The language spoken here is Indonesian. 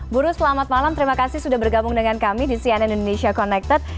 buru selamat malam terima kasih sudah bergabung dengan kami di cnn indonesia connected